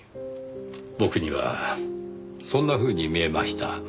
僕にはそんなふうに見えました。